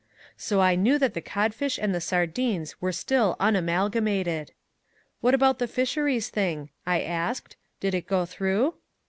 So I knew that the cod fish and the sardines were still unamalgamated. "What about the fisheries thing?" I asked. "Did it go through?"